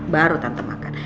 baru tante makan